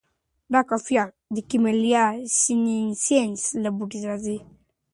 دا کافین د کمیلیا سینینسیس له بوټي راځي.